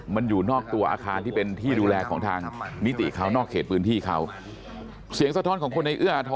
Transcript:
มันอยู่นอกตัวอาคารที่เป็น